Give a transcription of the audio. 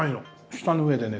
舌の上でね